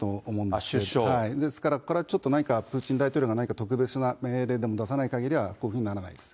だからこれはちょっと、何かプーチン大統領が何か特別な命令でも出さないかぎりは、このままです。